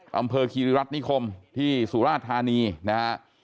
กลับเผลอคิริรัฐนิคมที่สุราชธานีนะครับ